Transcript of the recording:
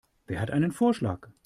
Wer hat einen Vorschlag?